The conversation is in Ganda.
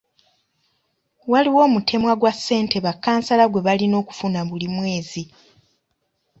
Waliwo omutemwa gwa ssente ba kansala gwe balina okufuna buli mwezi.